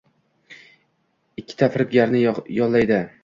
ikkita firibgarni yollaydi